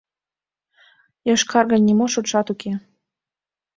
Йошкаргын нимо шотшат уке.